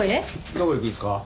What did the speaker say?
どこ行くんですか？